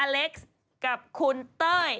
เล็กซ์กับคุณเต้ย